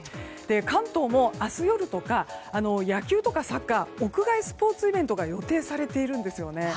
関東も、明日夜とかに野球とかサッカー屋外スポーツイベントが予定されているんですよね。